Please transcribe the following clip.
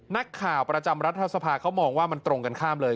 นักข่าวประจำรัฐสภาเขามองว่ามันตรงกันข้ามเลย